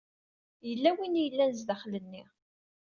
Yella win i yellan zdaxel-nni.